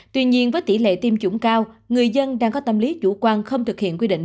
tuy nhiên với tỷ lệ tiêm chủng cao người dân đang có tâm lý chủ quan không thực hiện quy định